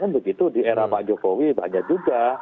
begitu di era pak jokowi banyak juga